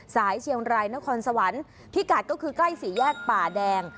สายเชียงรายนครสวรรค์พิกัดก็คือใกล้สี่แยกป่าแดง